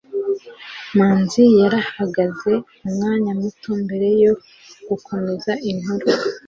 manzi yarahagaze umwanya muto mbere yo gukomeza inkuru